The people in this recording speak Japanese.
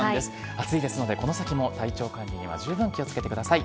暑いですので、この先も体調管理には十分気をつけてください。